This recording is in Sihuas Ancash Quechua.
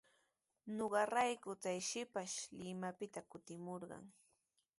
Ñuqarayku chay shipash Limapita kutimurqan.